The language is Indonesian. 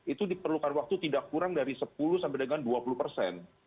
itu diperlukan waktu tidak kurang dari sepuluh sampai dengan dua puluh persen